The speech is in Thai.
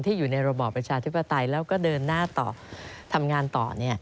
อยู่ในระบอบประชาธิปไตยแล้วก็เดินหน้าต่อทำงานต่อ